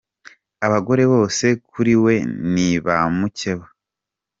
Abagore bose kuri we nib a mukeba.